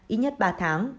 ít nhất ba tháng